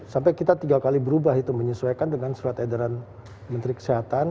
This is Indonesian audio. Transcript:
sampai kita tiga kali berubah itu menyesuaikan dengan surat edaran menteri kesehatan